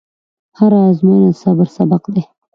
هره ازموینه د صبر سبق دی.